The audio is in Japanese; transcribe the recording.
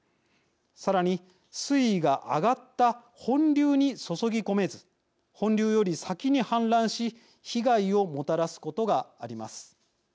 さらに水位が上がった本流に注ぎ込めず本流より先に氾濫し被害をもたらすことがあります。